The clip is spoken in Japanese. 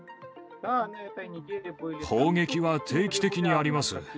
砲撃は定期的にあります。